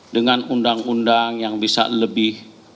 dengan undang undang yang bisa lebih